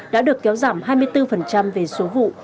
đã được kéo giảm hai mươi bốn về số vụ